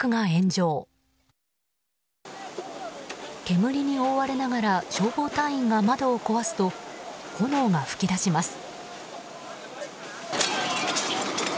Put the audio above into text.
煙に覆われながら消防隊員が窓を壊すと炎が噴き出します。